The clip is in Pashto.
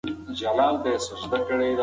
که کالي وي نو یخنۍ نه وي.